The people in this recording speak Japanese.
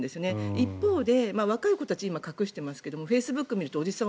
一方で若い子たちは隠してますけどフェイスブックを見るとおじさん